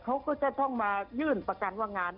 เขาก็จะต้องมายื่นประกันว่างาน